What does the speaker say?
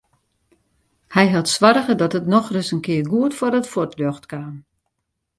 Hy hat soarge dat it nochris in kear goed foar it fuotljocht kaam.